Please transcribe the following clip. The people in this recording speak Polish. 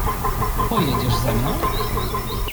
"Pojedziesz ze mną?"